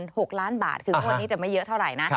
๖ล้านบาทคืองวดนี้จะไม่เยอะเท่าไหร่นะ